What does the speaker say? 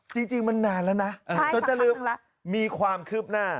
จริงมันนานแล้วนะจะลืม